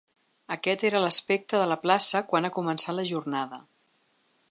Aquest era l’aspecte de la plaça quan ha començat la jornada.